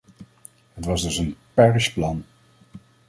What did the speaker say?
Het was dus een 'parish plan'.